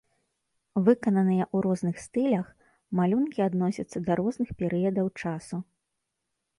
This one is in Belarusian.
Выкананыя ў розных стылях, малюнкі адносяцца да розных перыядаў часу.